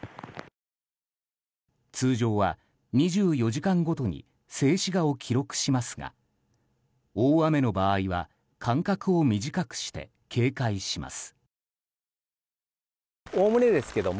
通常は２４時間ごとに静止画を記録しますが大雨の場合は間隔を短くして警戒します。